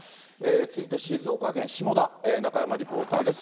続いて静岡県下田、中山リポーターです。